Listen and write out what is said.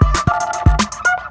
kau mau kemana